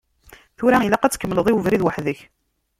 Tura ilaq ad tkemmleḍ i ubrid weḥd-k.